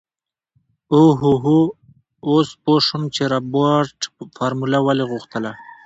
اوهوهو اوس پو شوم چې رابرټ فارموله ولې غوښتله.